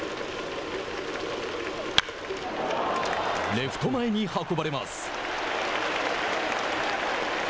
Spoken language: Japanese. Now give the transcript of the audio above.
レフト前に運ばれます。